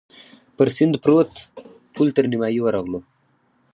پر سیند پروت پل تر نیمايي ورغلو.